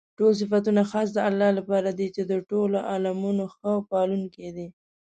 ټول صفتونه خاص د الله لپاره دي چې د ټولو عالَمونو ښه پالونكى دی.